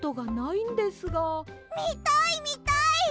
みたいみたい！